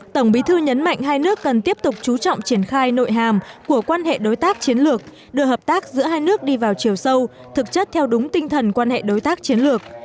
tổng bí thư nhấn mạnh hai nước cần tiếp tục chú trọng triển khai nội hàm của quan hệ đối tác chiến lược đưa hợp tác giữa hai nước đi vào chiều sâu thực chất theo đúng tinh thần quan hệ đối tác chiến lược